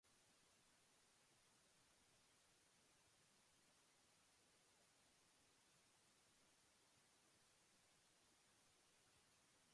Además, los artistas aclararon que realizaban una "gimnasia plástica", un ejercicio artístico de experimentación.